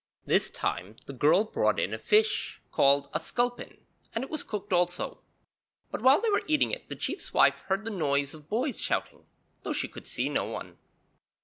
This time the girl brought in a fish called a sculpin, and it was cooked also; but while they were eating it the chief's wife heard the noise of boys shouting, though she could see no one.